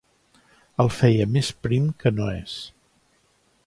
El feia més prim que no és.